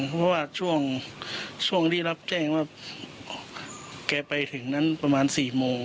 เพราะว่าช่วงที่รับแจ้งว่าแกไปถึงนั้นประมาณ๔โมง